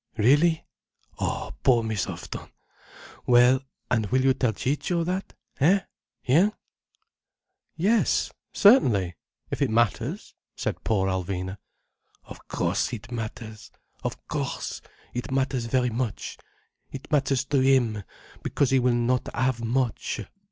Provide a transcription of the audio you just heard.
Really? Oh poor Miss Houghton! Well—and will you tell Ciccio that? Eh? Hein?" "Yes—certainly—if it matters," said poor Alvina. "Of course it matters. Of course it matters very much. It matters to him. Because he will not have much.